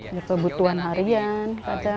itu kebutuhan harian